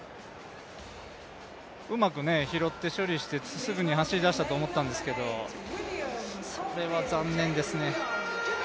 うまく拾って処理して、すぐに走り出したと思ったんですが、それは残念ですね。